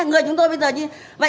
người chúng tôi bây giờ như vậy